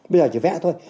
bây giờ chỉ vẽ thôi